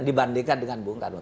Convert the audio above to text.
dibandingkan dengan bung karun